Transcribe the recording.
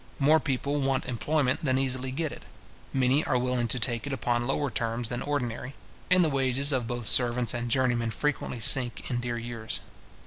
More people want employment than easily get it; many are willing to take it upon lower terms than ordinary; and the wages of both servants and journeymen frequently sink in dear years.